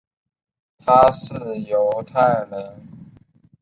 他是犹太人。